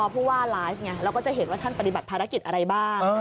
ผู้ว่าไลฟ์ไงเราก็จะเห็นว่าท่านปฏิบัติภารกิจอะไรบ้าง